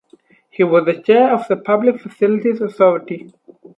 He was the Chair of the Public Facilities Authority.